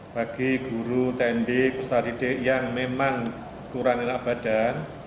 bagi guru tni peserta didik yang memang kurang enak badan